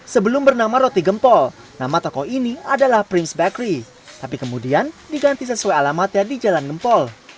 sebelum bernama roti gempol nama toko ini adalah prince bakery tapi kemudian diganti sesuai alamatnya di jalan gempol